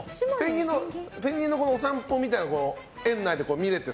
ペンギンのお散歩みたいなのが園内で見れて